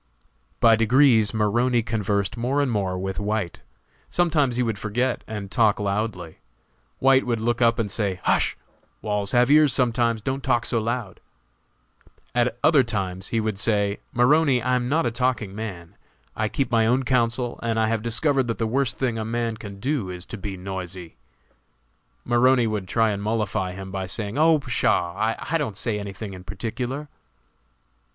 By degrees Maroney conversed more and more with White; sometimes he would forget and talk loudly. White would look up and say, "Hush! walls have ears sometimes, don't talk so loud." At other times he would say, "Maroney, I am not a talking man; I keep my own counsel, and have discovered that the worst thing a man can do is to be noisy." Maroney would try and mollify him by saying, "Oh, pshaw! I didn't say any thing in particular."